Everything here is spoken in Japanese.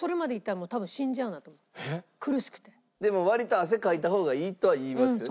でも割と汗かいた方がいいとは言いますよね。